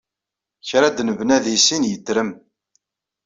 Kra d-nebna di sin yeddrem.